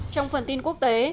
trong phần tin quốc tế